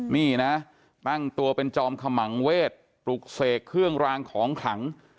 นี่นะตั้งตัวเป็นจอมขมังเวศปลุกเสกเครื่องรางของขลัง